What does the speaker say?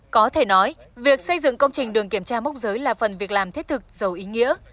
có thể nói việc xây dựng công trình đường kiểm tra mốc giới là phần việc làm thiết thực giàu ý nghĩa